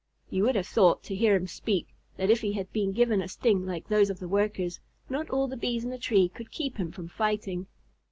You would have thought, to hear him speak, that if he had been given a sting like those of the Workers, not all the Bees in the tree could keep him from fighting.